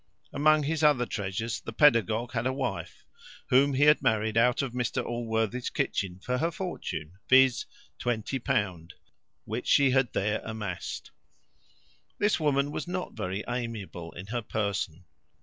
Among his other treasures, the pedagogue had a wife, whom he had married out of Mr Allworthy's kitchen for her fortune, viz., twenty pounds, which she had there amassed. This woman was not very amiable in her person.